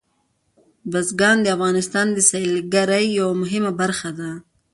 بزګان د افغانستان د سیلګرۍ یوه مهمه برخه ده.